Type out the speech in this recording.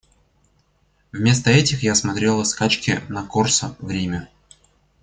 Вместо этих я смотрела скачки на Корсо в Риме.